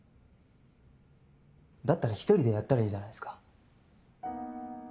だったら一人でやったらいいじゃないっすか。